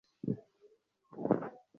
হ্যাঁ, নানা।